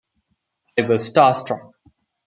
I was star-struck.